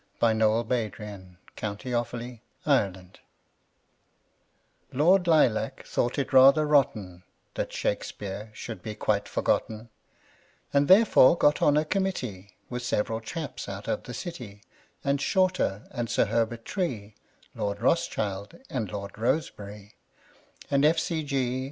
G. K. Chesterton The Shakespeare Memorial LORD Lilac thought it rather rotten That Shakespeare should be quite forgotten, And therefore got on a Committee With several chaps out of the City, And Shorter and Sir Herbert Tree, Lord Rothschild and Lord Rosebery, And F.C.G.